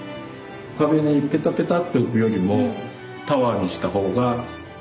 壁にペタペタって置くよりもタワーにした方が。